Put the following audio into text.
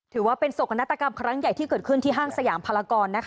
ถือว่าเป็นโศกนาฏกรรมครั้งใหญ่ที่เกิดขึ้นที่ห้างสยามพลากร